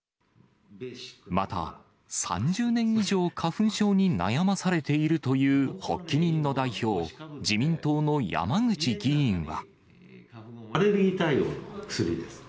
また、３０年以上花粉症に悩まされているという発起人の代表、自民党のアレルギー対応の薬です。